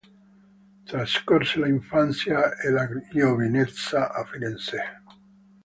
Trascorse l'infanzia e la giovinezza a Firenze.